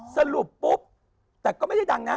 สรุปปุ๊บแต่ก็ไม่ได้ดังนะ